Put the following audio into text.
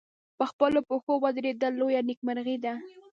په خپلو پښو ودرېدل لویه نېکمرغي ده.